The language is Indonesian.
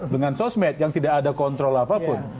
dengan sosmed yang tidak ada kontrol apapun